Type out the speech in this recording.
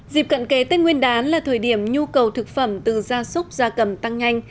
dịp cận kế nguyên đán là thời điểm nhu cầu thực phẩm từ gia súc gia cầm tăng nhanh